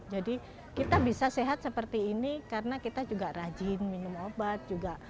jadi kita bisa sehat seperti ini karena kita juga rajin minum obat